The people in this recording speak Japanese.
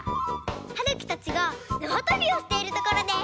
はるきたちがなわとびをしているところです。